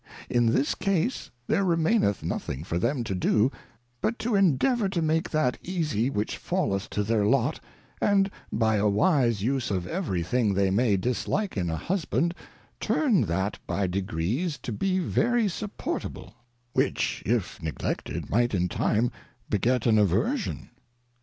In this case there remaineth nothing for them to do, but to endeavour to make that easie which falleth to their Lot, and by a wise use of every thing they may dislike in a Husband, turn that by degrees to be very supportable, which, if neglected, might in time beget an Aversion.